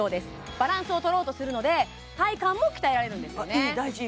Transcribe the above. バランスをとろうとするので体幹も鍛えられるんですよねあっいい大事！